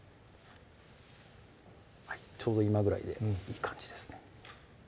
ちょうど今ぐらいでいい感じですね